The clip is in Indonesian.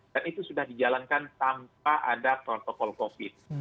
dan itu sudah dijalankan tanpa ada protokol covid